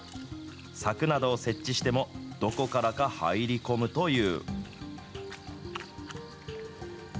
柵などを設置しても、どこからか入り込むという。